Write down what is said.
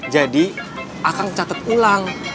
jadi akang catat ulang